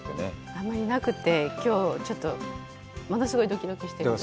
あんまりなくて、きょうちょっと物すごいドキドキしています。